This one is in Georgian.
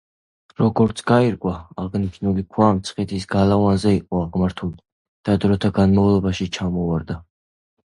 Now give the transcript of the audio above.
როგორც გაირკვა აღნიშნული ქვა მცხეთის გალავანზე იყო აღმართული და დროთა განმავლობაში ჩამოვარდა.